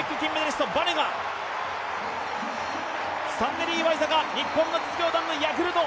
スタンネリー・ワイザカ、日本の実業団のヤクルト。